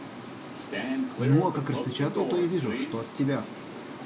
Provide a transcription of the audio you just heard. Ну, а как распечатал, то и вижу, что от тебя.